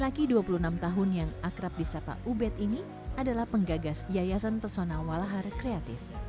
laki dua puluh enam tahun yang akrab di sapa ubed ini adalah penggagas yayasan persona walahar kreatif